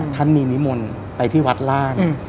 ท่านมีนิมนต์ไปที่วัดล่าง